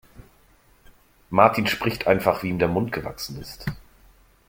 Martin spricht einfach, wie ihm der Mund gewachsen ist.